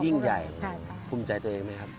ยิ่งใหญ่ภูมิใจตัวเองไหมครับ